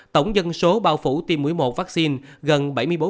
tổng dân số bao phủ tiêm mũi một vaccine gần bảy mươi bốn